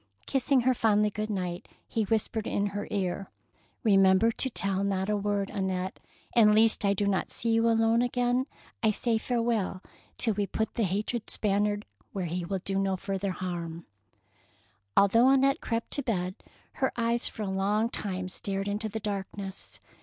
Kissing her fondly good night, he whispered in her ear, —" Remember to tell not a word, An nette, and lest I do not see you alone again, I say farewell, till we put the hated Spaniard where he will do no further harm." Although Annette crept to bed, her eyes for a long time stared into the darkness.